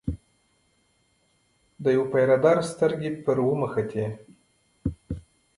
د یوه پیره دار سترګې پر وموښتې.